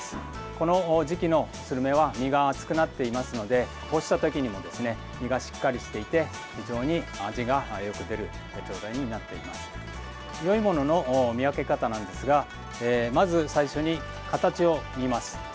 この時期のスルメは身が厚くなっていますので干したときにも身がしっかりしていて非常に味がよく出る状態になっていますよいものの見分け方をなんですがまず最初に形を見ます。